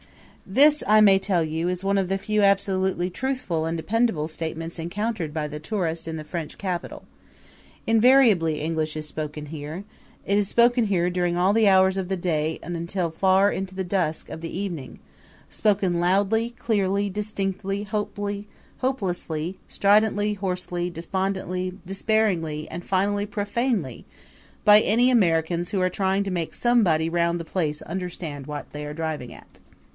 This, I may tell you, is one of the few absolutely truthful and dependable statements encountered by the tourist in the French capital. Invariably English is spoken here. It is spoken here during all the hours of the day and until far into the dusk of the evening; spoken loudly, clearly, distinctly, hopefully, hopelessly, stridently, hoarsely, despondently, despairingly and finally profanely by Americans who are trying to make somebody round the place understand what they are driving at.